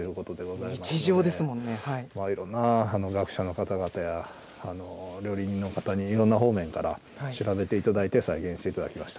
いろんな学者の方々や料理人の方に、いろんな方面から調べていただいて、再現していただきました。